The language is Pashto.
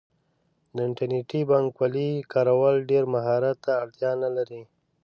د انټرنیټي بانکوالۍ کارول ډیر مهارت ته اړتیا نه لري.